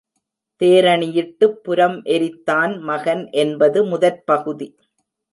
தேரணி யிட்டுப் புரம் எரித்தான் மகன் என்பது முதற் பகுதி.